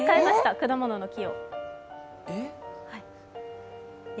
果物の木？